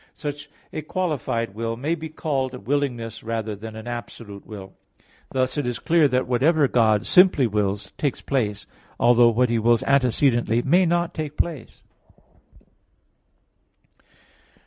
Such a qualified will may be called a willingness rather than an absolute will. Thus it is clear that whatever God simply wills takes place; although what He wills antecedently may not take place.